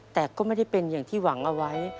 แต่ก็ไม่ได้เป็นอย่างที่หวังเอาไว้